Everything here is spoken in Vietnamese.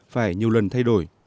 phải nhiều lần thay đổi